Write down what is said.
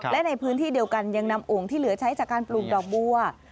และในพื้นที่เดียวกันยังนำโอ่งที่เหลือใช้จากการปลูกดอกบัว